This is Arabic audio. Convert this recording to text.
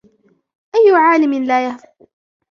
أَيُّ عَالِمٍ لَا يَهْفُو